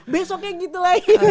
besoknya gitu lagi